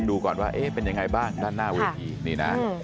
ดูก่อนว่าเป็นยังไงบ้างด้านหน้าเวที